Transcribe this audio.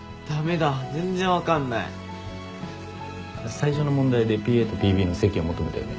最初の問題でＰＡとＰＢの積を求めたよね。